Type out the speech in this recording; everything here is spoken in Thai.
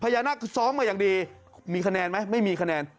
นักซ้อมมาอย่างดีมีคะแนนไหมไม่มีคะแนน